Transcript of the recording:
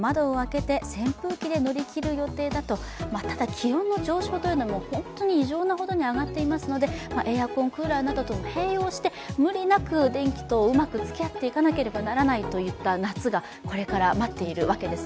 気温の上昇も本当に異常なほどに上がっていますので、エアコン、クーラーなどと併用して無理なく電気とうまくつきあっていかなければならない夏がこれから待っているわけです。